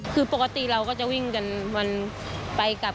คือปกติเราก็จะวิ่งกันวันไปกลับ